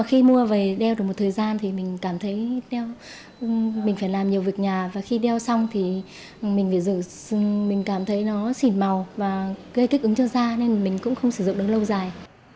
khi mua về đeo được một thời gian thì mình cảm thấy mình phải làm nhiều việc nhà và khi đeo xong thì mình cảm thấy nó xịn màu và gây kích ứng cho da nên mình cũng không sử dụng được lâu dài